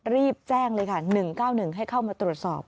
รีบแจ้งเลยค่ะ๑๙๑ให้เข้ามาตรวจสอบ